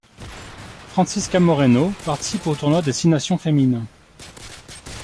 Francisca Moreno participe au Tournoi des six nations féminin.